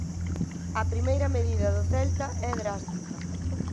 A primeira medida do Celta é drástica.